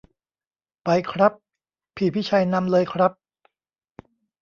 ไปครับ พี่พิชัยนำเลยครับ